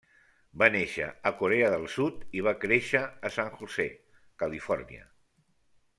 Va néixer a Corea del Sud i va créixer a San José, Califòrnia.